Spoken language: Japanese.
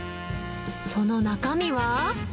その中身は？